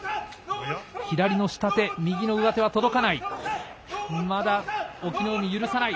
左の下手、右の上手は届かない。